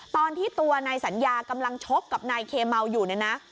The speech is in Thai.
ตอนที่ตัวนายสัญญากำลังชกกับนายเคเมาอยู่เนี่ยนะ